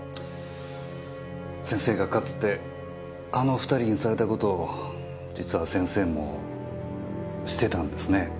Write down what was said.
先生がかつてあの２人にされた事を実は先生もしてたんですね